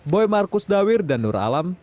boy markus dawir dan nur alam